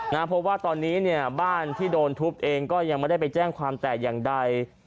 เพราะว่าตอนนี้เนี่ยบ้านที่โดนทุบเองก็ยังไม่ได้ไปแจ้งความแต่อย่างใด